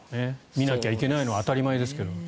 見なきゃいけないのは当たり前ですけど。